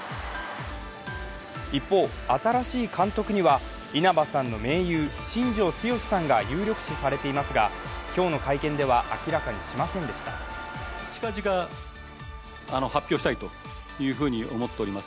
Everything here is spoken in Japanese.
一方、新しい監督には稲葉さんの盟友新庄剛志さんが有力視されていますが今日の会見では明らかにしませんでした。